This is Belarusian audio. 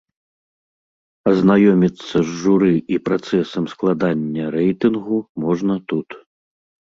Азнаёміцца з журы і працэсам складання рэйтынгу можна тут.